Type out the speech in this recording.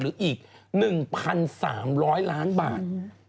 หรืออีก๑๓๐๐ล้านบาท